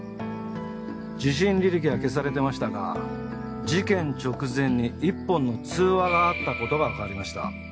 受信履歴は消されてましたが事件直前に１本の通話があったことがわかりました。